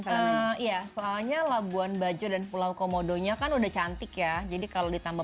iya soalnya labuan bajo dan pulau komodonya kan udah cantik ya jadi kalau ditambah